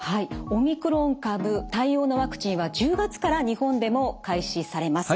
オミクロン株対応のワクチンは１０月から日本でも開始されます。